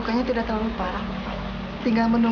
kalau begitu saya permisi dulu